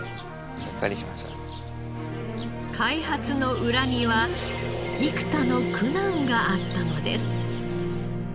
開発の裏には幾多の苦難があったのです。